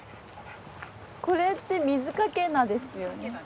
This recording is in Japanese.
これって水かけ菜ですよね？